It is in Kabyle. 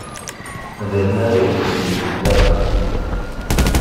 D allaɣ-iw i t-id-ittexlaqen.